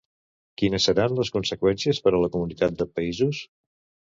Quines seran les conseqüències per a la comunitat de països?